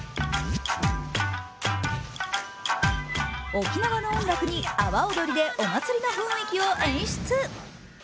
沖縄の音楽に阿波おどりでお祭りの雰囲気を演出。